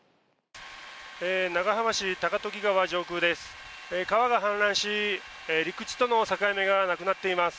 長浜市、高時川上空です。